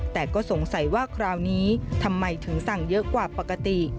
แต่ก็สงสัยว่าคราวนี้ทำไมถึงสั่งเยอะกว่าปกติ